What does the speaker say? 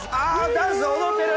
ダンス踊ってる！